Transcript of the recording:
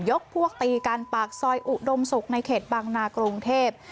ยกพวกตีการปากซอยอุดมสุกในเขตบังนากรุงเทพฯ